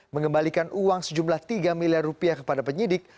mengembalikan uang sejumlah tiga miliar rupiah kepada penyidik